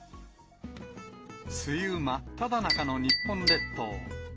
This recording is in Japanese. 梅雨真っただ中の日本列島。